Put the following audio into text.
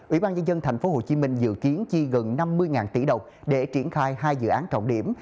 ủy ban nhân dân tp hcm dự kiến chi gần năm mươi tỷ đồng để triển khai hai dự án trọng điểm